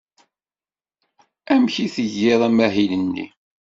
Amek i tgiḍ amahil-nni?